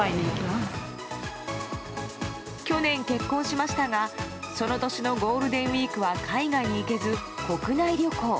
去年、結婚しましたがその年のゴールデンウィークは海外に行けず、国内旅行。